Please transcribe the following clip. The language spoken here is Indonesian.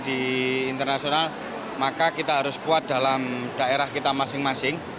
di internasional maka kita harus kuat dalam daerah kita masing masing